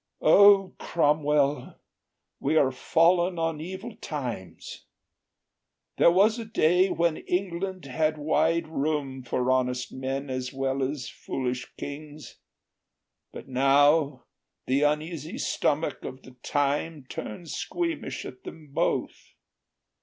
"O, Cromwell, we are fallen on evil times! There was a day when England had wide room For honest men as well as foolish kings; But now the uneasy stomach of the time Turns squeamish at them both.